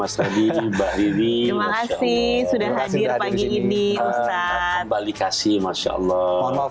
sudah hadir pagi ini balik kasih masya allah